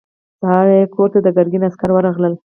سهار يې کور ته د ګرګين عسکر ورغلل.